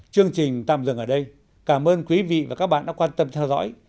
chương trình tạm dừng ở đây cảm ơn quý vị và các bạn đã quan tâm theo dõi